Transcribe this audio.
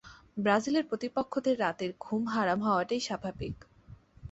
ব্রাজিলের প্রতিপক্ষদের রাতের ঘুম হারাম হওয়াটাই স্বাভাবিক।